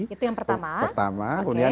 itu yang pertama